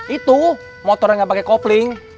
itu motor yang gak pake kopling